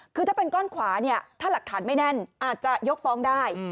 คือถ้าเป็นก้อนขวาเนี่ยถ้าหลักฐานไม่แน่นอาจจะยกฟ้องได้